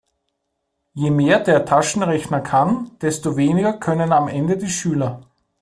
Je mehr der Taschenrechner kann, desto weniger können am Ende die Schüler.